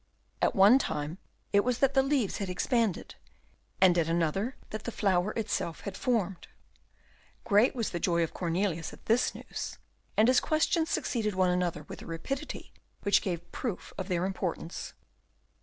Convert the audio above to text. At one time it was that the leaves had expanded, and at another that the flower itself had formed. Great was the joy of Cornelius at this news, and his questions succeeded one another with a rapidity which gave proof of their importance.